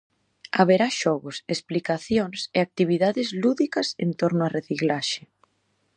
Haberá xogos, explicacións e actividades lúdicas en torno á reciclaxe.